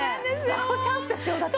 ラストチャンスですよだって！